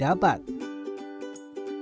dan tidak sulit didapat